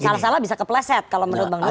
salah salah bisa kepleset kalau menurut bang nur